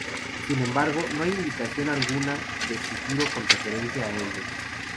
Sin embargo, no hay indicación alguna de futuro con referencia a ellos.